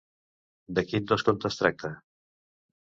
De quin descompte es tracta?